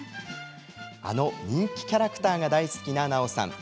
あの人気キャラクターが大好きな奈緒さん。